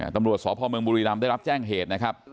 ตำรวจสวทธิบดีไทยเมืองบุรีรัมได้รับแจ้งเหตุนะครับ